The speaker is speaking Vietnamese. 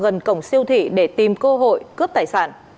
gần cổng siêu thị để tìm cơ hội cướp tài sản